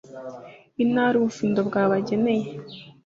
intara ubufindo bwabageneye